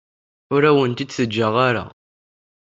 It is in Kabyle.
Ur awen-tt-id-teǧǧa ara.